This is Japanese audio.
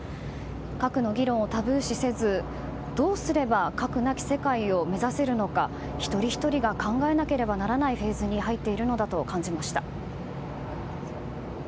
核の議論をタブー視せずどうすれば核なき世界を目指せるのか一人ひとりが考えなければならないフェーズに入っているのだと感じました。